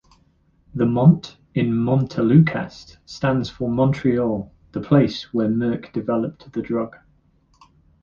The "Mont" in Montelukast stands for Montreal, the place where Merck developed the drug.